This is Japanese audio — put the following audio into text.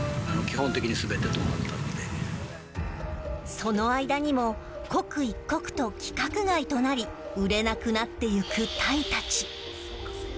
その間にも刻一刻と規格外となり売れなくなってゆくタイたち。